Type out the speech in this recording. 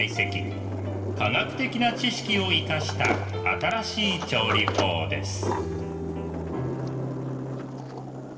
科学的な知識を生かした新しい調理法です。